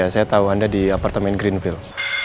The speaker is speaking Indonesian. saya tahu anda di apartemen greenfill